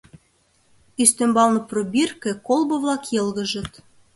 Ӱстембалне пробирке, колбо-влак йылгыжыт.